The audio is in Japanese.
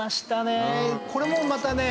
これもまたね